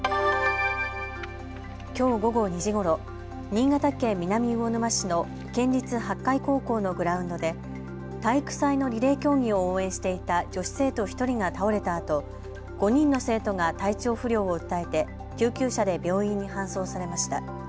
きょう午後２時ごろ、新潟県南魚沼市の県立八海高校のグラウンドで体育祭のリレー競技を応援していた女子生徒１人が倒れたあと、５人の生徒が体調不良を訴えて救急車で病院に搬送されました。